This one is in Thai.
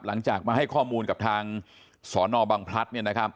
หลังจากมาให้ข้อมูลกับทางสนบังพลัด